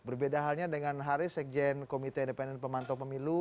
berbeda halnya dengan haris sekjen komite independen pemantau pemilu